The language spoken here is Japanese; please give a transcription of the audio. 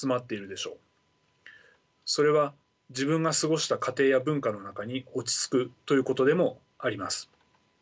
それは自分が過ごした家庭や文化の中に落ち着くということでもあります。